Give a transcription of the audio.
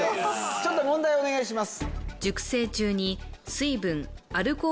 ちょっと問題お願いします